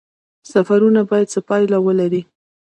سفرونه باید څه پایله ولري؟